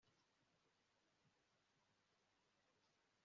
uyu mwaka indabyo-indabyo zirasohoka bitinze kurenza uko byari bisanzwe